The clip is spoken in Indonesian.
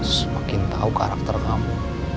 semakin tahu karakter kamu